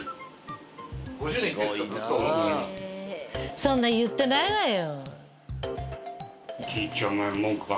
そんな言ってないわよ。